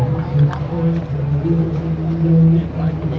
งั้นก็ถึงข้างในอากาศเป็นแรงการที่เป็นของติภัย